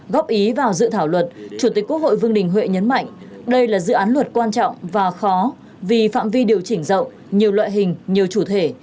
góp ý vào dự thảo luật chủ tịch quốc hội vương đình huệ nhấn mạnh đây là dự án luật quan trọng và khó vì phạm vi điều chỉnh rộng nhiều loại hình nhiều chủ thể